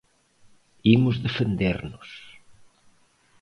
Imos defendernos.